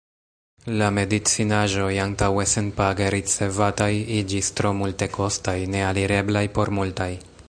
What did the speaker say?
La medicinaĵoj, antaŭe senpage ricevataj, iĝis tro multekostaj, nealireblaj por multaj.